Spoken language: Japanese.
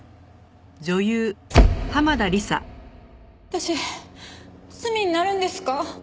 私罪になるんですか？